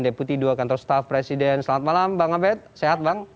deputi dua kantor staff presiden selamat malam bang abed sehat bang